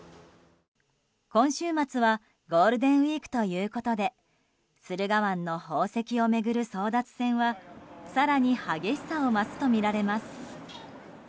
今週末はゴールデンウィークということで駿河湾の宝石を巡る争奪戦は更に激しさを増すとみられます。